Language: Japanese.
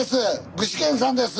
具志堅さんです！